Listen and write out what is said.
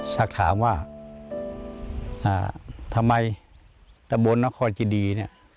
สักถามว่าทำไมตะบนนครจิดีเนี่ย